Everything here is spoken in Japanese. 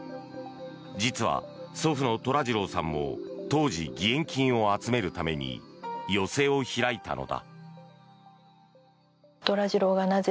実は、祖父の寅次郎さんも当時、義援金を集めるために寄席を開いたのだ。